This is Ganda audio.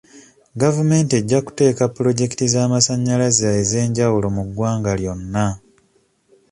Gavumenti ejja kuteeka pulojekiti z'amasanyalaze ez'enjawulo mu ggwanga lyonna.